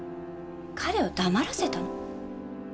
彼を黙らせたの。